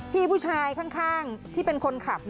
พี่ผู้ชายข้างที่เป็นคนขับ